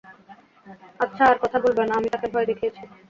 আচ্ছা, আর কথা বলবে না, আমি তাকে ভয় দেখিয়েছি।